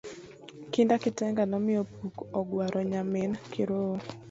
Kinda kitenga nomiyo opuk ogwaro nyarmin kirowo